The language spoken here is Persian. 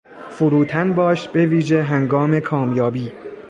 فروتن باش به ویژه هنگام کامیابی.